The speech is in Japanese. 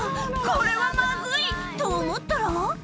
これはまずい、と思ったら。